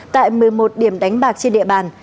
tại một mươi một điểm đánh bạc trên địa bàn